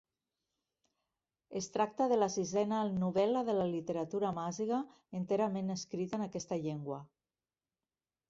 Es tracta de la sisena novel·la de la literatura amaziga enterament escrita en aquesta llengua.